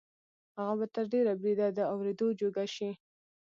هغه به تر ډېره بریده د اورېدو جوګه شي